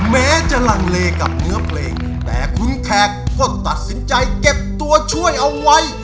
แม้จะลังเลกับเนื้อเพลงแต่คุณแขกก็ตัดสินใจเก็บตัวช่วยเอาไว้